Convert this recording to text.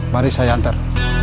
mari saya antar